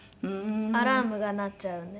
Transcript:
アラームが鳴っちゃうんで。